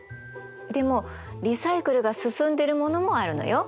でもリサイクルが進んでるものもあるのよ。